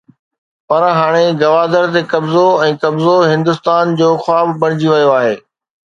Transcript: پر هاڻ گوادر تي قبضو ۽ قبضو هندستان جو خواب بڻجي ويو آهي.